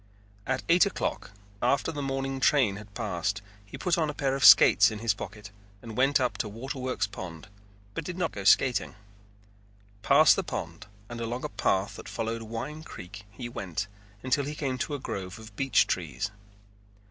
At eight o'clock, after the morning train had passed, he put a pair of skates in his pocket and went up to Waterworks Pond but did not go skating. Past the pond and along a path that followed Wine Creek he went until he came to a grove of beech trees.